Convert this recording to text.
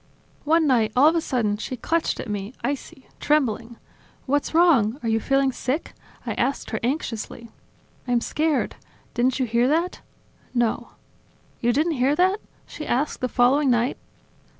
One night, all of a sudden, she clutched at me, icy, trembling. "What's wrong? Are you feeling sick?" I asked her anxiously. "I'm scared... Didn't you hear that?". "No." "You didn't hear that?..." she asked the following night.